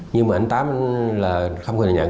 nhưng mà anh nguyễn văn tám là không hề nhận